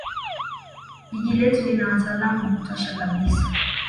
jiji letu lina wataalam wa kutosha kabisa